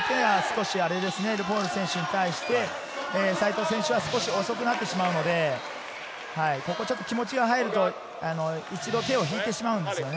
ルフォールに対して、西藤選手は少し遅くなってしまうので、気持ちが入ると、一度、手を引いてしまうんですね。